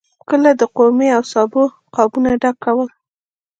کله د قورمې او سابو قابونه ډکول.